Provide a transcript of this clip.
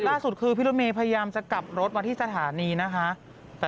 ล่าสุดคือพี่รถเมย์พยายามจะกลับรถมาที่สถานีนะคะ